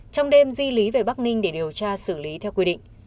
trong đêm di lý về bắc ninh để điều tra xử lý theo quy định